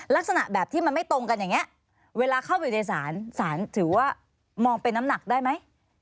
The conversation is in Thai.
ลักษณะแบบที่มันไม่ตรงกันอย่างนี้เวลาเข้าไปในศาลศาลถือว่ามองเป็นน้ำหนักได้ไหม